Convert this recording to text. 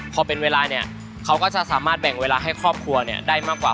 พอเป็นเวลาเนี่ยเขาก็จะสามารถแบ่งเวลาให้ครอบครัวเนี่ยได้มากกว่า